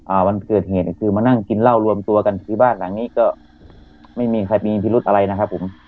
วันเกิดเหตุคือมานั่งกินเหล้ารวมตัวกันที่บ้านหลังนี้ก็ไม่มีใครมีพิรุธอะไรนะครับผม